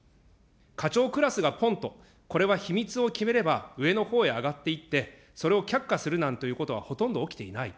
課長クラスがぽんと、これは秘密を決めれば上のほうへ上がっていって、それを却下するなんということは、ほとんど起きていない。